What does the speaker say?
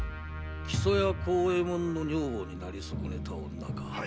木曽屋幸右衛門の女房になりそこねた女か。